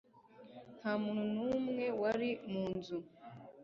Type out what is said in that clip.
Nta muntu n'umwe wari mu nzu.